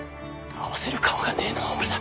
合わせる顔がねぇのは俺だ。